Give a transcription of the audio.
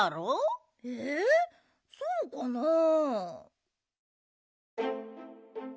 えそうかなあ？